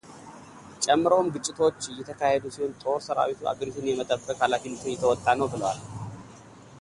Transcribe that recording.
ጨምረውም ግጭቶች እየተካሄዱ ሲሆን ጦር ሠራዊቱ አገሪቱን የመጠበቅ ኃላፊነቱን እየተወጣ ነው ብለዋል።